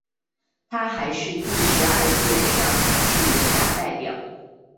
她还是第十二届上海市人大代表。